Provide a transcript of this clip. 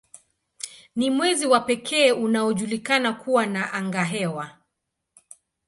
Ni mwezi wa pekee unaojulikana kuwa na angahewa.